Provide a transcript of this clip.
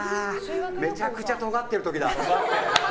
めちゃくちゃとがってる時だ。